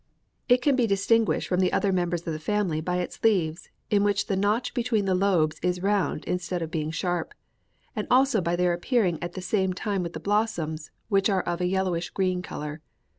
It can be distinguished from the other members of the family by its leaves, in which the notch between the lobes is round instead of being sharp, and also by their appearing at the same time with the blossoms, which are of a yellowish green color.